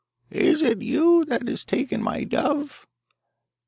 'Is it you that has taken my dove?